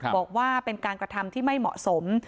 บอกว่าเป็นการกระทำที่ไม่เหมาะสม